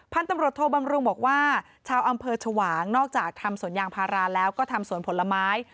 ตำรวจโทบำรุงบอกว่าชาวอำเภอชวางนอกจากทำสวนยางพาราแล้วก็ทำสวนผลไม้